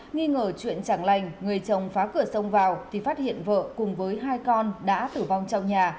nghi ngờ chuyện chẳng lành người chồng phá cửa sông vào thì phát hiện vợ cùng với hai con đã tử vong trong nhà